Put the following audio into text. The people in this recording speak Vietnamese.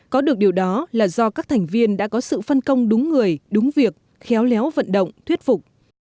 có được điều đó là do các thành viên đã có sự phân công đúng người đúng việc khéo léo vận động thuyết phục